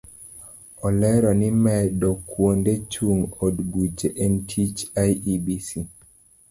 Olero ni medo kuonde chung' od buche en tich iebc.